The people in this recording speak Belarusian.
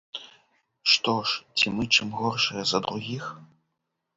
Што ж, ці мы чым горшыя за другіх?